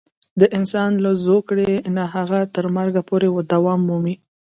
د انسان له زوکړې نه د هغه تر مرګه پورې دوام مومي.